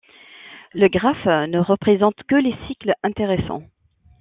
Le graphe ne représente que les cycles intéressants.